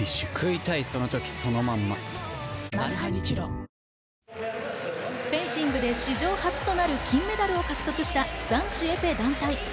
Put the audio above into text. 史上初の快挙を成し遂げたチフェンシングで史上初となる金メダルを獲得した男子エペ団体。